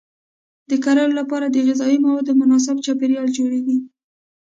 د کرلو لپاره د غذایي موادو مناسب چاپیریال جوړیږي.